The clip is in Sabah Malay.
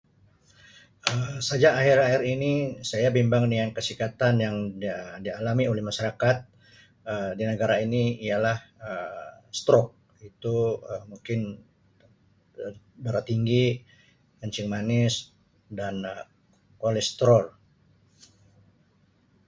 Um Saya akhir-akhir ini, saya bimbang dengan kesihatan yang dia-dialami oleh masyarakat Um di negara ini ialah Um strok itu, [Um]mungkin Um darah tinggi, kencing manis dan Um kolestrol.